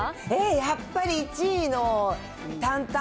やっぱり１位の担担